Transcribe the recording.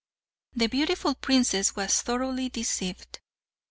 The beautiful princess was thoroughly deceived.